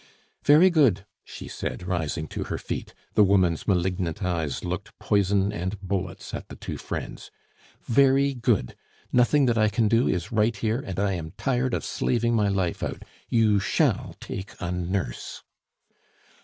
"Very good," she said, rising to her feet. The woman's malignant eyes looked poison and bullets at the two friends. "Very good. Nothing that I can do is right here, and I am tired of slaving my life out. You shall take a nurse."